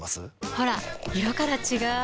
ほら色から違う！